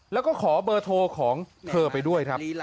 แล้วก็ขอเบอร์โทรของเธอไปด้วยครับ